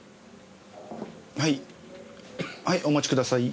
はいはいお待ちください。